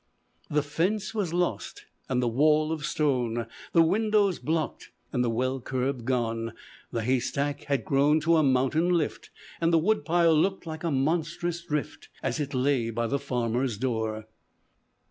"The fence was lost, and the wall of stone, The windows blocked, and the well curb gone, The haystack had grown to a mountain lift, And the woodpile looked like a monstrous drift, As it lay by the farmer's door."